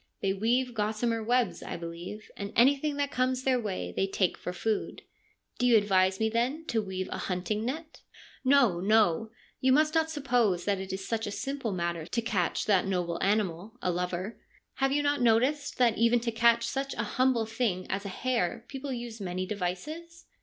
They weave gossamer webs, I believe, and anything that comes their way they take for food.' 1 Do you advise me, then, to weave a hunting net?' THE SOCRATIC CIRCLE 141 ' No, no. You must not suppose that it is such a simple matter to catch that noble animal, a lover. Have you not noticed that even to catch such a humble thing as a hare people use many devices?